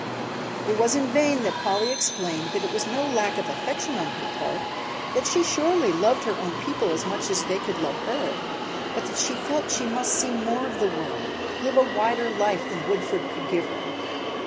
It was in vain that Polly explained that it was no lack of affection on her part, that she surely loved her own people as much as they could love her, but that she felt she must see more of the world, live a wider life than Woodford could give her.